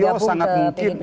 semua skenario sangat mungkin